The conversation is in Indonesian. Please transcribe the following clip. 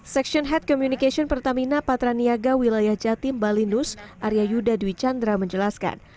seksyen head communication pertamina patra niaga wilayah jatim bali nus arya yuda dwi chandra menjelaskan